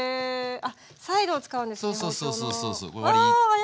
あっサイドを使うんですね包丁の。